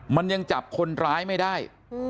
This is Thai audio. มันยังจับคนร้ายไม่ได้